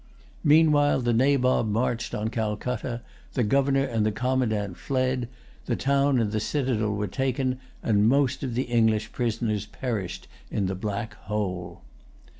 Meanwhile the Nabob marched on Calcutta; the governor and the commandant fled; the town and citadel were taken, and most of the English prisoners perished in the Black Hole.